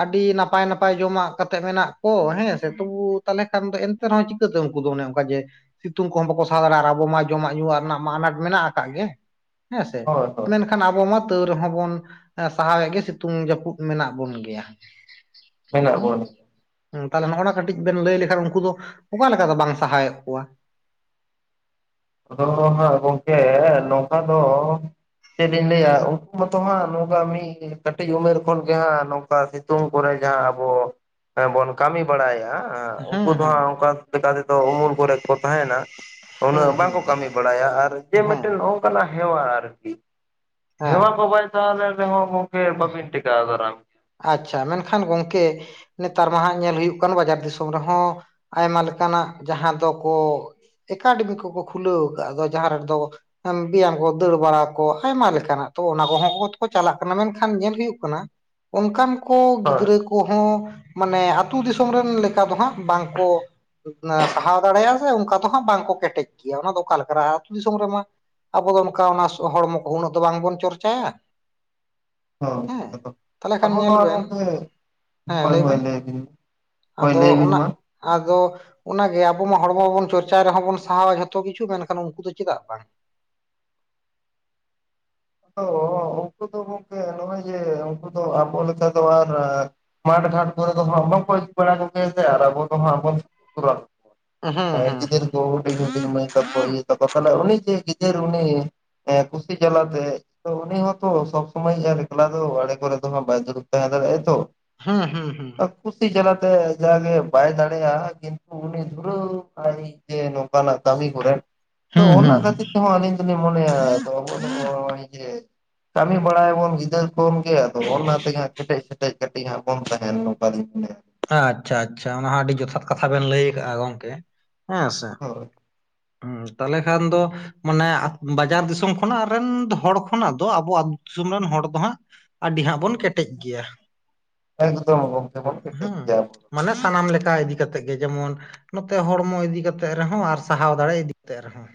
ᱟᱹᱰᱤ ᱱᱟᱯᱟᱭ ᱱᱟᱯᱟᱭ ᱡᱚᱢᱟᱜ ᱠᱟᱛᱮᱫ ᱢᱮᱱᱟᱜ ᱠᱚ ᱦᱮᱸᱥᱮ ᱛᱚᱵᱩ ᱛᱟᱦᱚᱞᱮ ᱠᱷᱟᱱ ᱫᱚ ᱮᱱ ᱛᱮ ᱨᱮᱦᱚᱸ ᱪᱤᱠᱟᱹᱛᱮ ᱩᱱᱠᱩ ᱫᱚ ᱚᱱᱮ ᱚᱱᱠᱟ ᱡᱮ ᱥᱤᱛᱩᱝ ᱠᱚᱦᱚᱸ ᱵᱟᱠᱚ ᱥᱟᱦᱟᱣ ᱫᱟᱲᱮᱭᱟᱜᱼᱟ ᱟᱵᱚ ᱢᱟ ᱡᱚᱢᱟᱜ ᱧᱩᱣᱟᱜ ᱨᱮᱱᱟᱜ ᱢᱟ ᱟᱱᱟᱴ ᱢᱮᱱᱟᱜ ᱠᱟᱫ ᱜᱮ ᱦᱮᱸᱥᱮ, ᱦᱳᱭ ᱦᱳᱭ ᱢᱮᱱ ᱠᱷᱟᱱ ᱟᱵᱚ ᱢᱟ ᱛᱟᱹᱣ ᱨᱮᱦᱚᱸ ᱵᱚᱱ ᱮᱸ ᱥᱟᱦᱟᱣᱮᱫ ᱜᱮ ᱥᱤᱛᱩᱝ ᱡᱟᱹᱯᱩᱫ ᱢᱮᱱᱟᱜ ᱵᱚᱱ ᱜᱮᱭᱟ᱾ ᱢᱮᱱᱟᱜ ᱩᱸ ᱵᱚᱱ ᱦᱮᱸ ᱛᱟᱦᱞᱮ ᱱᱚᱜᱼᱚ ᱱᱟ ᱠᱟᱹᱴᱤᱡ ᱵᱮᱱ ᱞᱟᱹᱭ ᱞᱮᱠᱷᱟᱱ ᱩᱱᱠᱩ ᱫᱚ ᱚᱠᱟᱞᱮ ᱞᱮᱠᱟ ᱫᱚ ᱵᱟᱝ ᱥᱟᱦᱟᱭᱮᱫ ᱠᱚᱣᱟ? ᱟᱫᱚ ᱦᱟᱸᱜ ᱜᱚᱢᱠᱮ ᱱᱚᱝᱠᱟ ᱫᱚ ᱪᱮᱫ ᱞᱤᱧ ᱞᱟᱹᱭᱟ ᱦᱮᱸ ᱢᱟᱛᱚ ᱦᱟᱸᱜ ᱱᱚᱝᱠᱟ ᱢᱤᱫ ᱠᱟᱹᱴᱤᱡ ᱩᱢᱮᱨ ᱠᱷᱚᱱ ᱜᱮ ᱦᱟᱸᱜ ᱱᱚᱝᱠᱟ ᱥᱤᱛᱩᱝ ᱠᱚᱨᱮ ᱡᱟᱦᱟᱸ ᱟᱵᱚ ᱦᱮᱸ ᱵᱚᱱ ᱠᱟᱹᱢᱤ ᱵᱟᱲᱟᱭᱟ ᱦᱮᱸ ᱩᱱᱠᱩ ᱫᱚ ᱦᱮᱸ ᱦᱟᱸᱜ, ᱚᱱᱠᱟ ᱞᱮᱠᱟ ᱛᱮᱫᱚ ᱩᱢᱩᱞ ᱠᱚᱨᱮ ᱠᱚ ᱛᱟᱦᱮᱱᱟ᱾ ᱩᱱᱟᱹᱜ ᱦᱚ ᱦᱮᱸ ᱵᱟᱝ᱾ ᱠᱚ ᱠᱟᱹᱢᱤ ᱵᱟᱲᱟᱭᱟ ᱟᱨ, ᱡᱮ ᱦᱮᱸ ᱢᱤᱫᱴᱮᱱ ᱱᱚᱜᱠᱟ ᱦᱮᱣᱟ ᱟᱨᱠᱤ, ᱦᱮᱸ ᱦᱮᱣᱟ (unintelligible) (unintelligible) (unintelligible) ᱛᱟᱦᱚᱞᱮ ᱟᱵᱤᱱ ᱦᱚ ᱜᱚᱝᱠᱮ ᱵᱟᱵᱩᱱ ᱴᱮᱠᱟᱣ ᱫᱟᱨᱟᱢ ᱟᱪᱪᱷᱟ ᱢᱮᱱᱠᱷᱟᱱ ᱜᱚᱝᱠᱮ ᱱᱮᱛᱟᱨ ᱢᱟ ᱦᱟᱸ ᱧᱮᱞ ᱦᱳᱭᱩᱜ ᱠᱟᱱ, ᱵᱟᱡᱟᱨ ᱫᱤᱥᱚᱢ ᱨᱮᱦᱚᱸ, ᱟᱭᱢᱟ ᱞᱮᱠᱟᱱᱟᱜ ᱡᱟᱦᱟᱸ ᱫᱚᱠᱚ ᱮᱠᱟᱰᱮᱢᱤ ᱠᱚᱠᱚ ᱠᱷᱩᱞᱟᱹᱣ ᱠᱟᱜᱼᱟ, ᱟᱫᱚ ᱡᱟᱦᱟᱸ ᱨᱮᱫᱚ ᱵᱮᱭᱟᱢ ᱠᱚ ᱫᱟᱹᱲ ᱵᱟᱲᱟ ᱠᱚ, ᱟᱭᱢᱟ ᱞᱮᱠᱟᱱᱟᱜ ᱛᱚ ᱚᱱᱟ ᱠᱚᱦᱚᱸᱠᱚ ᱪᱟᱞᱟᱜ ᱠᱟᱱᱟ ᱢᱮ ᱠᱷᱟᱱ ᱧᱮᱞ ᱦᱳᱭᱩᱜ ᱠᱟᱱᱟ ᱚᱱᱠᱟᱱ ᱠᱚ ᱦᱳᱭ ᱜᱤᱫᱽᱨᱟᱹ ᱠᱚ ᱠᱚᱦᱚᱸ ᱢᱟᱱᱮ ᱟᱛᱳ ᱫᱤᱥᱚᱢ ᱨᱮᱱ ᱞᱮᱠᱟ ᱫᱚ ᱦᱟᱸᱜ, ᱵᱟᱝ ᱠᱚ ᱥᱟᱦᱟᱣ ᱫᱟᱲᱮᱭᱟᱜᱼᱟ᱾ ᱚᱱᱠᱟ ᱫᱚ ᱦᱟᱸᱜ ᱵᱟᱝᱠᱚ ᱠᱮᱴᱮᱡ ᱜᱮᱭᱟ, ᱚᱱᱟ ᱫᱚ ᱚᱠᱟᱠ ᱟ ᱟᱹᱛᱩᱳ ᱫᱤᱥᱚᱢ ᱨᱮᱢᱟ᱾ ᱟᱵᱚ ᱫᱚ ᱚᱱᱠᱟ ᱚᱱᱟ ᱥᱚᱦᱚᱲᱢᱚ ᱠᱚ, ᱩᱱᱟᱹᱜ ᱫᱚ ᱵᱟᱝᱵᱚᱱ ᱪᱚᱨᱪᱟᱭᱟ᱾ ᱦᱚ ᱦᱮᱸ ᱛᱟᱦᱚᱞᱮ ᱠᱷᱟᱱ ᱟᱵᱚ ᱛᱚ ᱧᱮᱞ ᱵᱮᱱ ᱜᱚᱢᱠᱮ ᱦᱮᱸ ᱦᱳᱭ ᱦᱳᱭ ᱵᱮᱱ ᱞᱟᱹᱭ ᱵᱤᱱ᱾ ᱦᱳᱭ ᱟᱫᱚ ᱞᱟᱹᱭ ᱵᱤᱱ ᱚᱱᱟ ᱢᱟ᱾ ᱟᱫᱚ ᱚᱱᱟᱜᱮ ᱟᱵᱚ ᱢᱟ ᱦᱚᱲᱢᱚᱵᱚᱱ ᱪᱚᱨᱪᱟ ᱨᱮᱦᱚᱸ, ᱵᱚᱱ ᱥᱟᱦᱟᱣᱟ ᱡᱷᱚᱛᱚ ᱠᱤᱪᱷᱩ ᱢᱮᱱᱠᱷᱟᱱ ᱩᱱᱠᱩ ᱫᱚ ᱪᱮᱫᱟᱜ ᱵᱟᱝ? (unintelligible) ᱩᱱᱠᱩ ᱫᱚ ᱜᱚᱝᱠᱮ ᱱᱚᱜᱼᱚᱭ ᱡᱮ ᱩᱱᱠᱩ ᱫᱚ ᱟᱵᱚ ᱞᱮᱠᱟ ᱫᱚ ᱟᱨ ᱢᱟᱴ ᱜᱷᱟᱴ ᱠᱚᱨᱮ ᱫᱚ ᱦᱟᱸᱜ ᱵᱟᱠᱚ, ᱤᱫᱤ ᱵᱟᱲᱟ ᱠᱚᱜᱮᱭᱟ ᱥᱮ, ᱟᱨ ᱟᱵᱚ ᱫᱚ ᱦᱟᱸᱜ ᱵᱚᱱ ᱠᱩᱣᱟ ᱦᱩᱸ ᱦᱩᱸ ᱦᱩᱸ ᱜᱤᱫᱟᱹᱨ ᱦᱩᱰᱤᱧ ᱦᱩᱰᱤᱧ ᱢᱟᱹᱭ ᱛᱟᱠᱚ ᱤᱭᱟᱹ ᱛᱟᱠᱚ, ᱛᱟᱦᱚᱞᱮ ᱩᱱᱤ ᱡᱮ ᱜᱤᱫᱟᱹᱨ ᱩᱱᱤ ᱠᱩᱥᱤ ᱡᱟᱞᱟᱛᱮ ᱛᱚ ᱩᱱᱤ ᱦᱚᱸᱛᱚ ᱥᱚᱵ ᱥᱚᱢᱚᱭ ᱟᱨ, ᱮᱠᱞᱟ ᱫᱚ ᱟᱲᱮ ᱠᱚᱨᱮ ᱫᱚᱦᱟᱜ ᱵᱟᱭ ᱫᱩᱨᱩᱵ ᱛᱟᱦᱮᱸ ᱫᱟᱲᱮᱭᱟᱜᱟᱭᱛᱚ᱾ ᱦᱩᱸ, ᱦᱩᱸ, ᱦᱩᱸ᱾ ᱠᱩᱥᱤ ᱡᱟᱞᱟᱛᱮ ᱡᱟᱜᱮ ᱵᱟᱭ ᱫᱟᱲᱮᱭᱟᱜᱼᱟ, ᱠᱤᱱᱛᱩ ᱩᱱᱤ ᱫᱷᱩᱨᱟᱹᱣ ᱟᱭ ᱡᱮ ᱱᱚᱝᱠᱟᱱᱟᱜ ᱠᱟᱹᱢᱤ ᱠᱚᱨᱮ᱾ ᱛᱚ ᱦᱩᱸ ᱚᱱᱟ ᱦᱩᱸ ᱦᱩᱸ ᱠᱷᱟᱹᱛᱤᱨ ᱛᱮᱦᱚᱸ, ᱟᱹᱞᱤᱧ ᱫᱚᱞᱤᱧ ᱢᱚᱱᱮᱭᱟ ᱟᱫᱚ ᱟᱵᱚ ᱫᱚ ᱱᱚᱜᱼᱜ ᱚᱭ ᱡᱮ ᱠᱟᱹᱢᱤ ᱵᱟᱲᱟᱭᱟᱵᱚᱱ ᱜᱤᱫᱟᱹᱨ ᱠᱷᱚᱱ ᱜᱮ, ᱟᱫᱚ ᱚᱱᱟ ᱛᱮᱜᱮ ᱟᱸᱜ ᱠᱮᱴᱮᱡ ᱥᱮᱴᱮᱡ ᱠᱟᱹᱴᱤᱡ ᱦᱟᱸᱜ ᱵᱚᱱ ᱛᱟᱦᱮᱱ ᱱᱚᱝᱠᱟ ᱫᱤᱱ ᱜᱮ ᱵᱚᱞᱮ, (unintelligible) ᱟᱪᱪᱷᱟ ᱟᱪᱪᱷᱟ ᱚᱱᱟ ᱦᱚᱸ ᱟᱹᱰᱤ ᱡᱚᱛᱷᱟᱛ ᱠᱟᱛᱷᱟ ᱵᱮᱱ ᱞᱟᱹᱭ ᱠᱟᱜᱼᱟ, ᱜᱚᱝᱠᱮ ᱦᱮᱸ ᱥᱮ᱾ ᱦᱳᱭ ᱦᱩᱸ ᱛᱟᱞᱦᱮ ᱠᱷᱟᱱ ᱫᱚ ᱢᱟᱱᱮ ᱵᱟᱡᱟᱨ ᱫᱤᱥᱚᱢ ᱠᱷᱚᱱᱟᱜ ᱨᱮᱱ ᱦᱚᱲ ᱠᱷᱚᱱᱟᱜ ᱫᱚ, ᱟᱵᱚ ᱟᱹᱛᱩ ᱫᱤᱥᱚᱢ ᱨᱮᱱ ᱦᱚᱲ ᱫᱚ ᱦᱟᱸᱜ ᱟᱹᱰᱤ ᱦᱟᱸᱜ ᱵᱚᱱ ᱠᱮᱴᱮᱡ ᱜᱮᱭᱟ᱾ ᱮᱠᱫᱚᱢ ᱜᱚᱢᱠᱮ ᱵᱚᱱ ᱠᱮᱴᱮᱡ ᱦᱩ ᱜᱮᱭᱟ ᱟᱵᱚ ᱫᱚ᱾ ᱢᱟᱱᱮ ᱥᱟᱱᱟᱢ ᱞᱮᱠᱟ ᱤᱫᱤ ᱠᱟᱛᱮᱜ ᱜᱮ ᱡᱮᱢᱚᱱ ᱱᱚᱛᱮ ᱦᱚᱲᱢᱚ ᱤᱫᱤ ᱠᱟᱛᱮᱜ ᱨᱮᱦᱚᱸ ᱟᱨ, ᱥᱟᱦᱟᱣ ᱫᱟᱲᱮ ᱤᱫᱤ ᱠᱟᱛᱮᱜ ᱨᱮᱦᱚᱸ᱾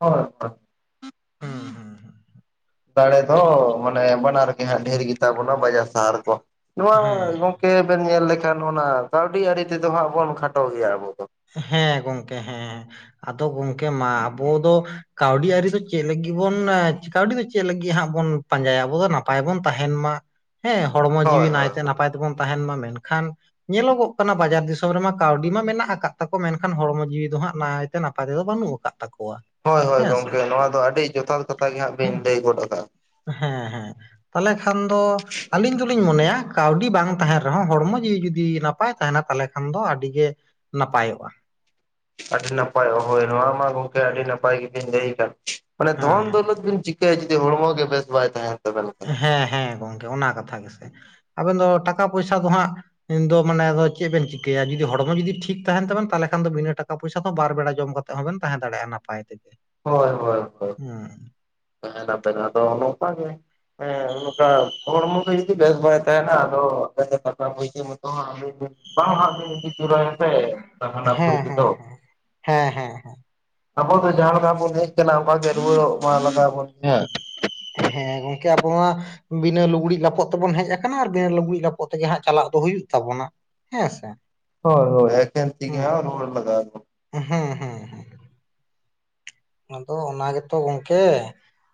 ᱦᱳᱭ, ᱦᱳᱭ᱾ ᱦᱩᱸ, ᱦᱩᱸ, ᱦᱩᱸ᱾ ᱫᱟᱲᱮ ᱫᱚ ᱢᱟᱱᱮ ᱵᱟᱱᱟᱨ ᱜᱮ ᱦᱟᱸᱜ ᱰᱷᱮᱨ ᱜᱮᱛᱟ ᱵᱚᱱᱟ, ᱵᱟᱡᱟᱨ ᱥᱟᱦᱟᱨ ᱠᱚ ᱱᱚᱣᱟ ᱦᱮᱸ ᱠᱮ ᱵᱮᱱ ᱧᱮᱞ ᱞᱮᱠᱷᱟᱱ ᱚᱱᱟ ᱠᱟᱹᱣᱰᱤ ᱟᱹᱨᱤ ᱛᱮᱫᱚ, ᱦᱟᱸᱜ ᱵᱚᱱ ᱠᱷᱟᱴᱚ ᱜᱮᱭᱟ ᱟᱵᱚ ᱫᱚ᱾ ᱦᱮᱸ ᱜᱚᱝᱠᱮ ᱦᱮᱸ ᱟᱫᱚ ᱜᱚᱢᱠᱮ ᱢᱟ ᱟᱵᱚ ᱫᱚ ᱠᱟᱹᱣᱰᱤ ᱟᱹᱨᱤ ᱫᱚ ᱪᱮᱫ ᱞᱟᱹᱜᱤᱫ ᱵᱚᱱ ᱠᱟᱹᱣᱰᱤ ᱟᱨᱤ ᱫᱚ ᱪᱮᱫ ᱞᱟᱹᱜᱤᱫ ᱵᱚᱱ ᱠᱟᱹᱣᱰᱤ ᱫᱚ ᱪᱮᱫ ᱞᱟᱹᱜᱤᱫ ᱦᱟᱸᱜ, ᱵᱚᱱ ᱯᱟᱸᱡᱟᱭᱟ ᱟᱵᱚᱫ ᱫᱚ ᱱᱟᱯᱟᱭ ᱵᱚᱱ ᱛᱟᱦᱮᱱ ᱢᱟ ᱦᱮᱸ ᱦᱚᱲᱢ ᱦᱳᱭ ᱡᱤᱣᱤ ᱦᱳᱭ ᱱᱟᱭᱛᱮ ᱦᱳᱭ ᱱᱟᱯᱟᱭᱛᱮ ᱵᱚᱱ ᱛᱟᱦᱮᱱ ᱢᱟ ᱢᱮᱱᱠᱷᱟᱱ ᱧᱮᱞᱚᱜᱚᱜ ᱠᱟᱱᱟ, ᱵᱟᱡᱟᱨ ᱫᱤᱥᱚᱢ ᱨᱮᱢᱟ ᱠᱟᱹᱣᱰᱤ ᱢᱟ ᱢᱮᱱᱟᱜ ᱟᱠᱟᱫ᱾ ᱛᱟᱠᱚ ᱢᱮᱱᱠᱷᱟᱱ ᱦᱚᱲᱢᱚ ᱡᱤᱣᱤ ᱫᱚ, ᱦᱟᱸᱜ ᱱᱟᱭᱛᱮ ᱱᱟᱯᱟᱭ ᱛᱮᱫᱚ ᱵᱟᱹᱱᱩᱜ ᱟᱠᱟᱫ ᱛᱟᱠᱚᱣᱟ᱾ ᱦᱳᱭ ᱦᱳᱭ ᱦᱮᱸ ᱥᱮ ᱜᱚᱝᱠᱮ ᱱᱚᱣᱟ ᱫᱚ ᱟᱹᱰᱤ, ᱡᱚᱛᱷᱟᱛ ᱠᱟᱛᱷᱟ ᱜᱮ ᱦᱟᱸᱜ ᱵᱤᱱ ᱦᱩᱸ ᱞᱟᱹᱭ ᱜᱚᱫ ᱟᱠᱟᱫᱟ᱾ ᱦᱮᱸ ᱦᱮᱸ ᱛᱟᱞᱦᱮ ᱠᱷᱟᱱ ᱫᱚ ᱟᱹᱞᱤᱧ ᱫᱩᱞᱤᱧ ᱢᱚᱱᱮᱭᱟ ᱠᱟᱹᱣᱰᱤ ᱵᱟᱝ ᱛᱟᱦᱮᱱ ᱨᱮᱦᱚᱸ ᱦᱚᱲᱢᱚ ᱡᱤᱣᱤ ᱡᱩᱫᱤ ᱱᱟᱯᱟᱭ ᱛᱟᱦᱮᱱᱟ ᱛᱟᱦᱞᱮ ᱠᱷᱟᱱ ᱫᱚ ᱟᱹᱰᱤᱜᱮ ᱱᱟᱯᱟᱭᱚᱜ-ᱟ᱾ ᱟᱹᱰᱤ ᱱᱟᱯᱟᱭ ᱳᱦᱳᱭ ᱱᱚᱣᱟ ᱢᱟ ᱜᱚᱝᱠᱮ ᱟᱹᱰᱤ ᱱᱟᱯᱟᱭ ᱜᱤᱵᱤᱱ ᱞᱟᱹᱭ ᱠᱟᱫ ᱢᱟᱱᱮ ᱦᱮᱸ ᱫᱷᱚᱱ ᱦᱮᱸ ᱫᱳᱞᱚᱛ ᱵᱤᱱ ᱪᱤ ᱠᱟ. ᱭᱟ ᱡᱩᱫᱤ ᱦᱚᱲᱢᱚ ᱜᱮ ᱵᱮᱥ ᱵᱟᱭ ᱛᱟᱦᱮᱱ ᱛᱟᱵᱮᱱᱟ, ᱦᱮᱸ ᱦᱮᱸ ᱜᱚᱝᱠᱮ ᱚᱱᱟ ᱠᱟᱛᱷᱟ ᱜᱮᱥᱮ ᱟᱵᱮᱱ ᱫᱚ ᱴᱟᱠᱟ ᱯᱚᱭᱥᱟ ᱫᱚ ᱦᱟᱜ ᱤᱧ ᱫᱚ ᱢᱟᱱᱮ ᱫᱚ ᱪᱮᱫ ᱵᱮᱱ ᱪᱤᱠᱟᱹᱭᱟ ᱡᱩᱫᱤ ᱦᱚᱲᱢᱚ ᱡᱩᱫᱤ ᱴᱷᱤᱠ ᱛᱟᱦᱮᱱ ᱛᱟᱵᱮᱱ ᱛᱟᱦᱞᱮ ᱠᱷᱟᱱ ᱫᱚ ᱵᱤᱱᱟᱹ ᱴᱟᱠᱟ ᱯᱩᱭᱥᱟ ᱫᱚ ᱵᱟᱨ ᱵᱮᱲᱟ ᱡᱚᱢ ᱠᱟᱛᱮ ᱛᱮ ᱦᱚᱸᱵᱮᱱ ᱛᱟᱦᱮᱸ ᱫᱟᱲᱮᱭ-ᱟ ᱱᱟᱯᱟᱭ ᱛᱮᱜᱮ᱾ ᱦᱳᱭ ᱦᱳᱭ ᱦᱩᱸ ᱛᱟᱦᱮ ᱱᱟᱵᱮᱱ ᱟᱫᱚ ᱱᱚᱝᱠᱟ ᱜᱮ, ᱱᱚᱠᱟ ᱦᱚᱲᱢᱚ ᱜᱮ ᱡᱩᱫᱤ ᱵᱮᱥ ᱵᱟᱭ ᱛᱟᱦᱮᱱᱟ ᱟᱫᱚ ᱴᱟᱠᱟ ᱯᱚᱭᱥᱟ ᱢᱟᱛᱚ ᱦᱟᱸᱜ ᱢᱤᱫ ᱫᱤᱱ ᱵᱟᱝ ᱦᱟᱸᱜ ᱵᱤᱱ ᱤᱫᱤ ᱛᱚᱨᱟᱭᱟ ᱥᱮ ᱦᱟᱱᱟ ᱦᱮᱸ ᱯᱩᱨᱤ ᱦᱮᱸ ᱛᱮᱫᱚ᱾ ᱦᱮᱸ ᱦᱮᱸ ᱟᱵᱚ ᱫᱚ ᱡᱟᱦᱟᱸ ᱞᱮᱠᱟ ᱵᱚᱱ ᱦᱮᱡ ᱠᱟᱱᱟ ᱚᱝᱠᱟᱜᱮ ᱨᱩᱣᱟᱹᱲᱚᱜ ᱢᱟ ᱞᱟᱜᱟᱣ ᱵᱚᱱ ᱜᱮ ᱦᱟᱸᱜ, ᱦᱮᱸ ᱜᱚᱝᱠᱮ ᱟᱵᱚ ᱢᱟ ᱵᱤᱱᱟᱹ ᱞᱩᱜᱽᱲᱤᱡ ᱞᱟᱯᱚᱜ ᱛᱮᱵᱚᱱ ᱦᱮᱡ ᱟᱠᱟᱱᱟ ᱟᱨ ᱵᱤᱱᱟᱹ ᱞᱩᱜᱽᱲᱤᱡ ᱞᱟᱯᱚᱜ ᱛᱮᱜᱮ ᱦᱟᱸᱜ ᱪᱟᱞᱟᱜ ᱫᱚ ᱦᱩᱭᱩᱜ ᱛᱟᱵᱚᱱᱟ᱾ ᱦᱮᱸ ᱥᱮ ᱦᱳᱭ ᱦᱳᱭ ᱮᱠᱷᱮᱱ ᱛᱤ ᱜᱮ ᱦᱩᱸ ᱦᱟᱸᱜ ᱨᱩᱣᱟᱹᱲ ᱞᱟᱜᱟᱣ ᱵᱚᱱᱟ᱾ ᱦᱩᱸ ᱦᱩᱸ ᱦᱩᱸ ᱟᱫᱚ ᱚᱱᱟ ᱜᱮᱛᱚ ᱜᱚᱝᱠᱮ